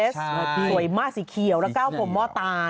สวยมากสีเขียวและก้าวผมหม้อตา